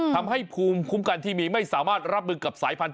ทำให้ภูมิคุ้มกันที่มีไม่สามารถรับมือกับสายพันธุ